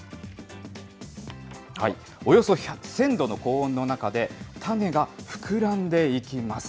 およそ１０００度の高温の中で、種が膨らんでいきます。